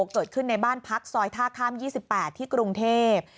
เกิดขึ้นในบ้านพักซอยท่าข้าม๒๘ที่กรุงเทพ